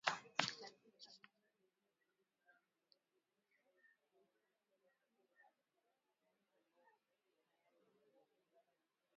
Katika wiki za karibuni na ni nyongeza ya wanajeshi wa Marekani ambao tayari wako nchini humo.